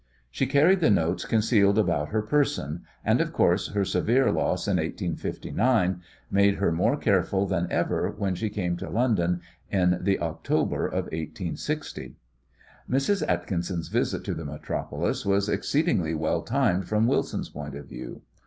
She carried the notes concealed about her person, and, of course, her severe loss in 1859 made her more careful than ever when she came to London in the October of 1860. Mrs. Atkinson's visit to the Metropolis was exceedingly well timed from Wilson's point of view.